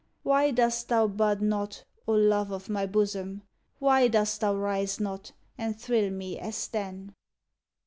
Why dost thou bud not, O Love of my bosom? Why dost thou rise not, and thrill me as then?